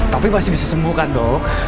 tapi masih bisa sembuh kan dok